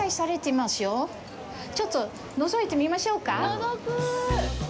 ちょっとのぞいてみましょうか。